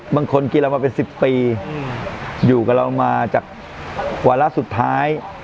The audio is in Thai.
บางทีเรามาเป็น๑๐ปีอยู่กับเรามาจากวาระสุดท้าย